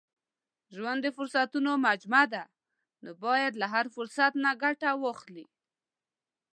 • ژوند د فرصتونو مجموعه ده، نو باید له هر فرصت نه ګټه واخلې.